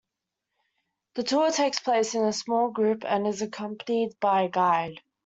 The tour takes place in a small group and is accompanied by a guide.